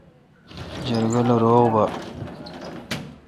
جرگہ لو روغ با۔